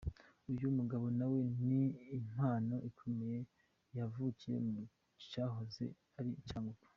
Uyu mugabo nawe ni impano ikomeye yavukiye mu cyahoze ari Cyangugu.